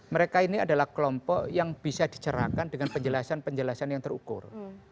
mereka ini adalah kelompok yang bisa dicerahkan dengan penjelasan penjelasan yang terukur